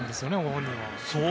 本人は。